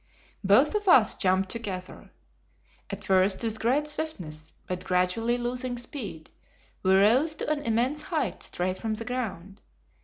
Both of us jumped together. At first, with great swiftness, but gradually losing speed, we rose to an immense height straight from the ground.